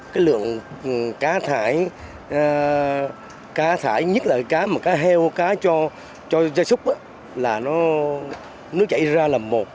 cái lượng cá thải cá thải nhất là cái cá mà cá heo cá cho cho cho súc là nó nó chạy ra là một